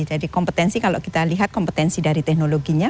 jadi kompetensi kalau kita lihat kompetensi dari teknologinya